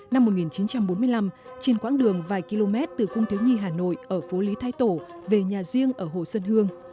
năm một nghìn chín trăm bốn mươi năm trên quãng đường vài km từ cung thiếu nhi hà nội ở phố lý thái tổ về nhà riêng ở hồ xuân hương